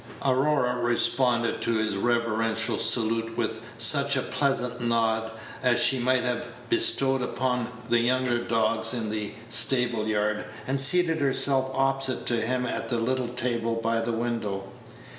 Aurora responded to his reverential salute with such a pleasant nod as she might have bestowed upon the younger dogs in the stable yard, and seated herself opposite to him at the little table by the window.